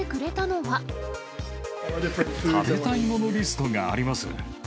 食べたいものリストがありま